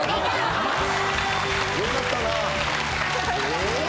よかったな。